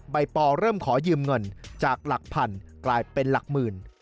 ปอเริ่มขอยืมเงินจากหลักพันกลายเป็นหลักหมื่น